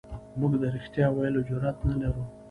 موږ د رښتیا ویلو جرئت نه لرو.